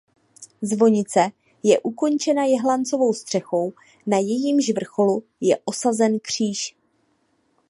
Zvonice je ukončena jehlancovou střechou na jejímž vrcholu je osazen kříž.